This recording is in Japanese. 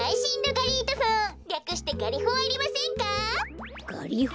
ガリホ？